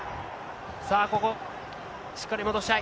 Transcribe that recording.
さあここ、しっかり戻したい。